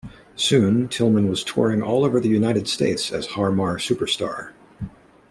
Soon, Tillmann was touring all over the United States as Har Mar Superstar.